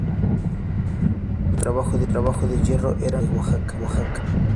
Los centros de trabajo de hierro eran en Puebla y Oaxaca.